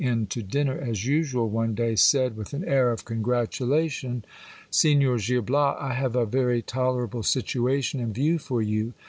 277 in to dinner as usual one day, said with an air of congratulation : Signor Gil Bias, I have a very tolerable situation in view for you.